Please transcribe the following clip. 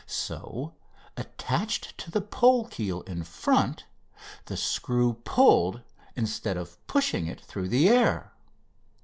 So, attached to the pole keel in front, the screw pulled, instead of pushing it through the air.